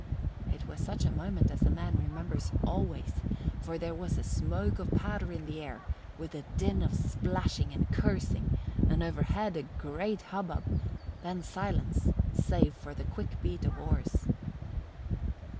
It was such a moment as a man remembers always, for there was the smoke of powder in the air, with a din of splashing and cursing, and overhead a great hubbub, then silence save for the quick beat of oars.